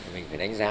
mình phải đánh giá